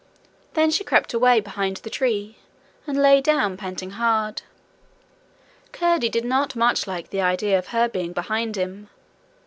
Then she crept away behind the tree, and lay down, panting hard. Curdie did not much like the idea of her being behind him.